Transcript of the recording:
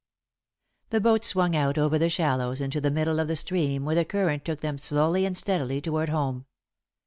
The boat swung out over the shallows into the middle of the stream, where the current took them slowly and steadily toward home.